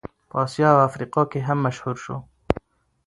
په اسیا او افریقا کې هم مشهور شو.